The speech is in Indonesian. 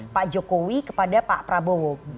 pak jokowi kepada pak prabowo